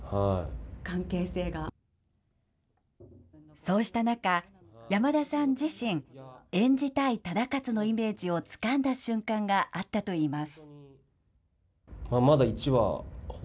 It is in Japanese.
そうした中、山田さん自身、演じたい忠勝のイメージをつかんだ瞬間があったといいます。